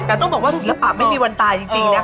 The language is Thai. แต่ต้องบอกว่าศิลปะไม่มีวันตายจริงนะคะ